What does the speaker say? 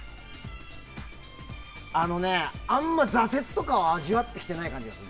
あのね、あんまり挫折とかを味わってきてない感じがする。